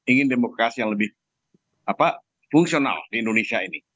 ingin demokrasi yang lebih fungsional di indonesia ini